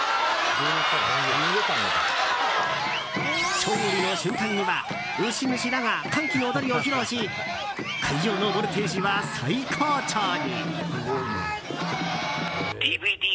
勝利の瞬間には牛主らが歓喜の踊りを披露し会場のボルテージは最高潮に。